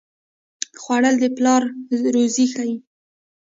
خوړل د پلار روزي ښيي